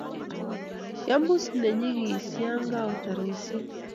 Kiambusi ne nyegis ya koatar wise